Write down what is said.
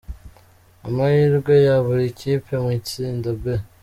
Amahirwe ya buri kipe mu itsinda B